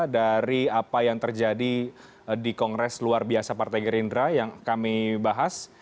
dari apa yang terjadi di kongres luar biasa partai gerindra yang kami bahas